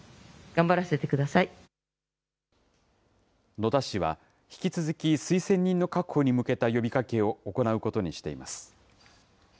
野田氏は、引き続き推薦人の確保に向けた呼びかけを行うことにしています。